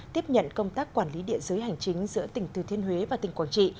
tiếp nhận công tác quản lý địa giới hành chính giữa tỉnh thừa thiên huế và tỉnh quảng trị